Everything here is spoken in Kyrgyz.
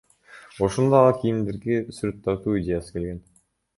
Ошондо ага кийимдерге сүрөт тартуу идеясы келген.